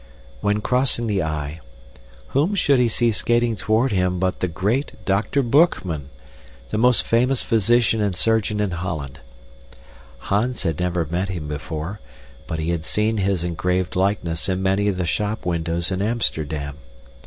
When crossing the Y, whom should he see skating toward him but the great Dr. Boekman, the most famous physician and surgeon in Holland. Hans had never met him before, but he had seen his engraved likeness in many of the shop windows in Amsterdam.